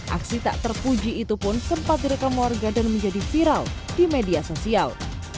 aksi tak terpuji itu pun sempat direkam warga dan menjadi viral di media sosial